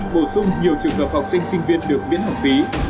bổ sung nhiều trường hợp học sinh sinh viên được miễn học phí